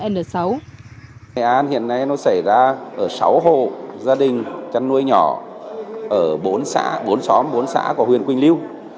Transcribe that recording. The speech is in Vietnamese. nghệ an hiện nay nó xảy ra ở sáu hộ gia đình chân nuôi nhỏ ở bốn xóm bốn xã của huyền quỳnh liêu